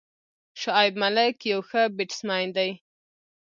شعیب ملک یو ښه بیټسمېن دئ.